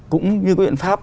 cũng như cái biện pháp